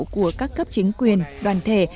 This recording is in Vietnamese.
của các cấp chính quyền đoàn thể